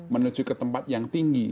menuju ke tempat yang tinggi